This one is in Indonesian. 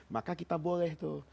maka kita boleh tuh